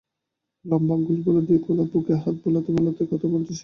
লম্বা আঙুলগুলো দিয়ে খোলা বুকে হাত বোলাতে বোলাতে কথা বলছে সে।